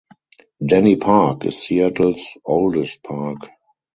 Denny Park is Seattle's oldest park.